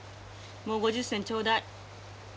もう５０銭ちょうだい。